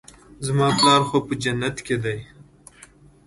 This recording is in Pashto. زما پلار خو په جنت کښې دى.